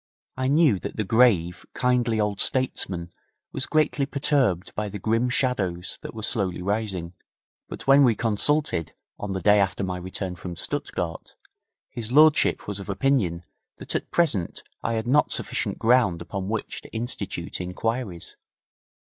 I knew that the grave, kindly old statesman was greatly perturbed by the grim shadows that were slowly rising, but when we consulted on the day after my return from Stuttgart, his lordship was of opinion that at present I had not sufficient ground upon which to institute inquiries.